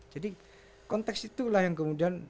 jadi konteks itulah yang kemudian